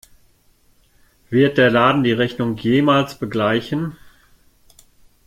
Wird der Laden die Rechnung jemals begleichen?